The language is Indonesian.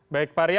baik pak ria